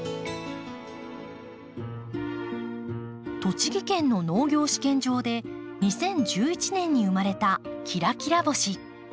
栃木県の農業試験場で２０１１年に生まれた「きらきら星」。